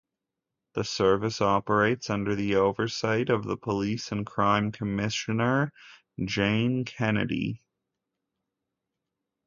The service operates under the oversight of the Police and Crime Commissioner, Jane Kennedy.